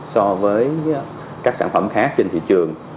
so với các sản phẩm khác trên thị trường